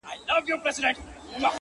د جرگې ټولو ښاغلو موږكانو،